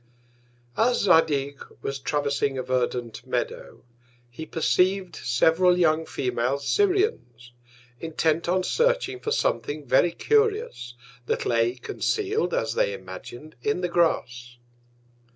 As Zadig was traversing a verdant Meadow, he perceiv'd several young Female Syrians, intent on searching for something very curious, that lay conceal'd, as they imagin'd, in the Grass.